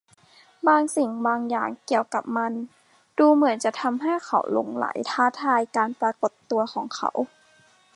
บางสิ่งบางอย่างเกี่ยวกับมันดูเหมือนจะทำให้เขาหลงใหลท้าทายการปรากฏตัวของเขา